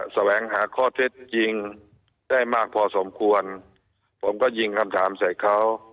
แสวงหาข้อเท็จจริงได้มากพอสมควรผมก็ยิงคำถามใส่เขา